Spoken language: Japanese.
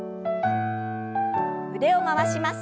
腕を回します。